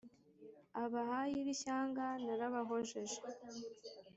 abahayi b’ishyanga narabahojeje